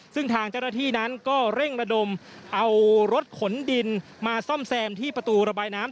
ซึ่งทางเจ้าหน้าที่นั้นก็เร่งระดมเอารถขนดินมาซ่อมแซมที่ประตูระบายน้ำ